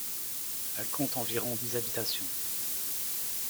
Elle compte environ dix habitations.